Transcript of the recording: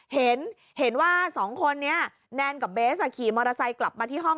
เห็นว่าสองคนนี้แนนกับเบสขี่มอเตอร์ไซค์กลับมาที่ห้อง